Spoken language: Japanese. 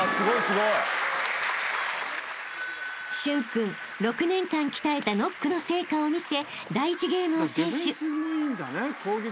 ［駿君６年間鍛えたノックの成果を見せ第１ゲームを先取］